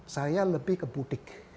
saya lebih ke butik